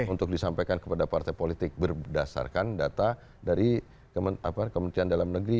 untuk disampaikan kepada partai politik berdasarkan data dari kementerian dalam negeri